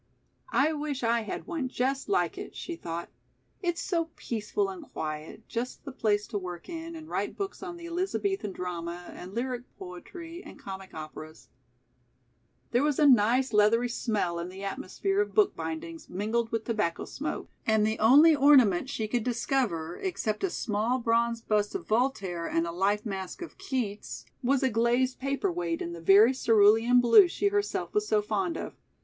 "I wish I had one just like it," she thought. "It's so peaceful and quiet, just the place to work in and write books on 'The Elizabethan Drama,' and lyric poetry, and comic operas " There was a nice leathery smell in the atmosphere of book bindings mingled with tobacco smoke, and the only ornament she could discover, except a small bronze bust of Voltaire and a life mask of Keats, was a glazed paper weight in the very cerulean blue she herself was so fond of.